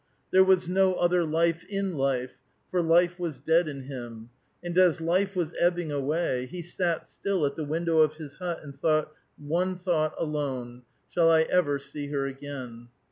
There was no other life in life, for life was dead in him ; and as life was ebbing away, he sat still at the window of his hut and thought one thought alone, *' Shall 1 ever see her again?"